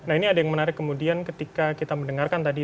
nah ini ada yang menarik kemudian ketika kita mendengarkan tadi